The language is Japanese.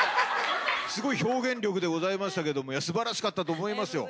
すごい表現力でございましたけども素晴らしかったと思いますよ